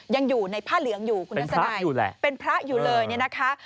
ยังอยู่ในผ้าเหลืองอยู่คุณนักสนัยเป็นพระอยู่เลยนะคะเป็นพระอยู่แหละ